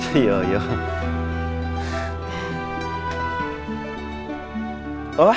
cilok cihoyama lima ratusan